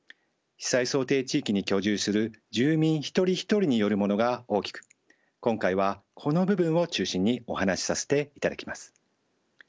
被災想定地域に居住する住民一人一人によるものが大きく今回はこの部分を中心にお話しさせていただきます。